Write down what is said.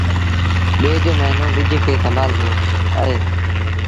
ڏيڍ موهيݩون ٻج کي سنڀآ لبو اهي